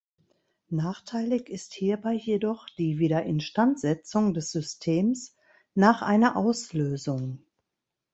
Nachteilig ist hierbei jedoch die Wiederinstandsetzung des Systems nach einer Auslösung.